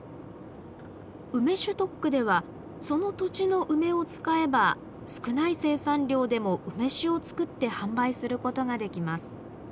梅酒特区ではその土地の梅を使えば少ない生産量でも梅酒を造って販売することができます。